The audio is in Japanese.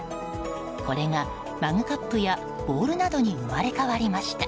これがマグカップやボウルなどに生まれ変わりました。